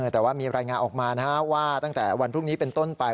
แต่ว่ามีรายงานออกมาว่าตั้งแต่วันพรุ่งนี้เป็นต้นไป